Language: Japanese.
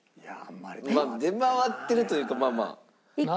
出回ってるというかまあまあ。